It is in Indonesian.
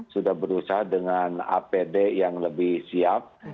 sudah berusaha dengan apd yang lebih siap